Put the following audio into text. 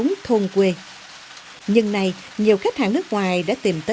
những mảng nghệ thuật